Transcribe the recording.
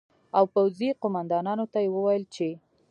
او پوځي قومندانانو ته یې وویل چې